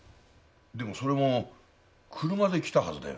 でもそれも車で来たはずだよね。